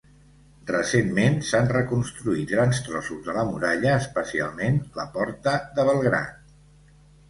Recentment s'han reconstruït grans trossos de la muralla, especialment la porta de Belgrad.